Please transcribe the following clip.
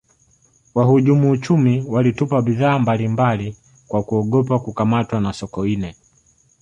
wahujumu uchumi walitupa bidhaa mbali mbali kwa kuogopa kukamatwa na sokoine